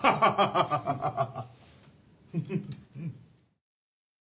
ハハハハ。